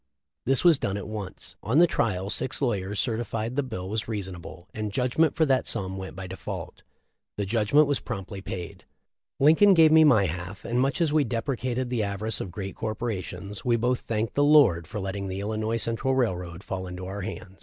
This was done at once. On the trial six lawyers certified that the bill was reasonable, and judgment for that sum went by default. The judgment was promptly paid. THE LIFE OF LINCOLN. 353 Lincoln gave me my half, and much as we recated the avarice of great corporation , we both thanked the Lord for letting the Illinois Central Railroad fall into our hand.